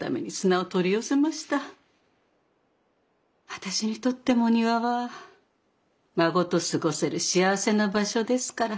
私にとっても庭は孫と過ごせる幸せな場所ですから。